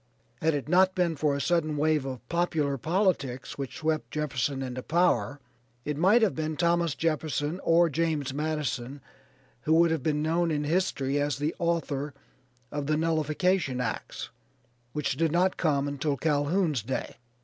Had it not been for a sudden wave of popular politics which swept Jefferson into power it might have been Thomas Jefferson or James Madison who would have been known in history as the author of the Nullification Acts which did not come until Calhoun's day.